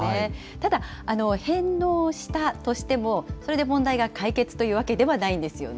ただ、返納をしたとしても、それで問題が解決というわけではないんですよね？